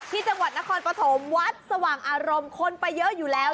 ที่จังหวัดนครปฐมวัดสว่างอารมณ์คนไปเยอะอยู่แล้ว